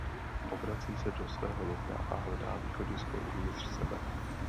Obrací se do svého nitra a hledá východisko uvnitř sebe.